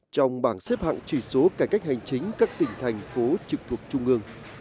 trong bảng xếp hạng chỉ số cải cách hành chính các tỉnh thành phố trực thuộc trung ương